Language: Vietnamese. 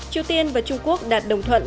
triều tiên và trung quốc đạt đồng thuận